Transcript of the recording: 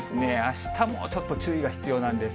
あしたもちょっと注意が必要なんです。